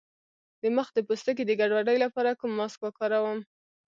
د مخ د پوستکي د ګډوډۍ لپاره کوم ماسک وکاروم؟